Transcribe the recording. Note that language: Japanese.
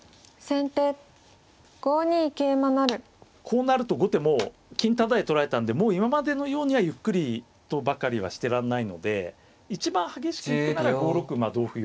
こうなると後手も金タダで取られたんでもう今までのようにはゆっくりとばかりはしてらんないので一番激しく行くなら５六馬同歩